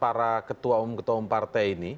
para ketua umum ketua umum partai ini